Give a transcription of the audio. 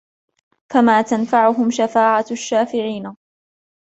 فَمَا تَنْفَعُهُمْ شَفَاعَةُ الشَّافِعِينَ